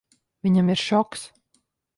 Viņam ir šoks.